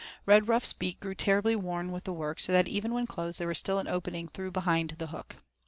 Redruff's beak grew terribly worn with the work, so that even when closed there was still an opening through behind the hook.